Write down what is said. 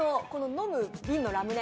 飲む、瓶のラムネ。